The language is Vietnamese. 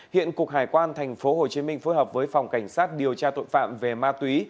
hiện cục hải quan tp hcm phối hợp với phòng cảnh sát điều tra tội phạm về ma túy